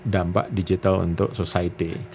dampak digital untuk society